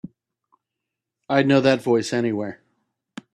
I'd know that voice anywhere.